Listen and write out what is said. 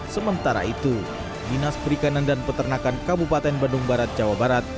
sementara itu dinas perikanan dan peternakan kabupaten bandung barat jawa barat